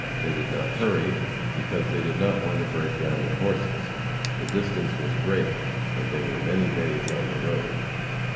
They did not hurry, because they did not want to break down their horses. The distance was great, and they were many days on the road.